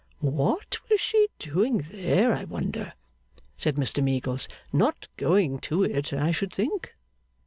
'What was she doing there I wonder!' said Mr Meagles. 'Not going to it, I should think.